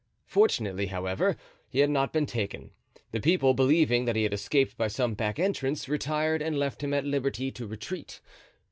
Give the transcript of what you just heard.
Fortunately, however, he had not been taken; the people, believing that he had escaped by some back entrance, retired and left him at liberty to retreat.